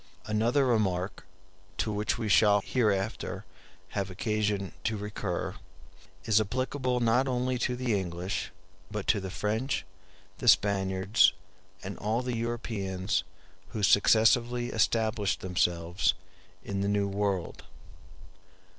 Another remark, to which we shall hereafter have occasion to recur, is applicable not only to the English, but to the French, the Spaniards, and all the Europeans who successively established themselves in the New World.